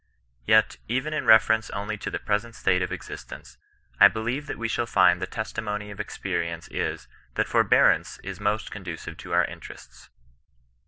Yet, even in referenoe only to the present state of exist ence, I believe that we ^£^11 find that the testimony of expedenee ia, that farbearanoe is most conducive to our intoestfl.